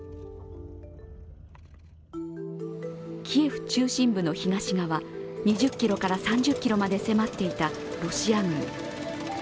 キエフ中心部の東側２０ｋｍから３０ｋｍまで迫っていたロシア軍。